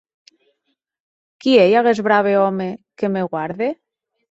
Qui ei aguest brave òme que me guarde?